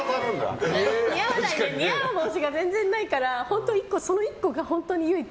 似合う帽子が全然ないからその１個が本当に唯一。